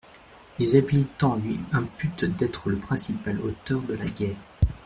Les habitans lui imputent d'être le principal auteur de la guerre.